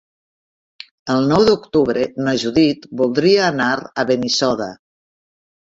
El nou d'octubre na Judit voldria anar a Benissoda.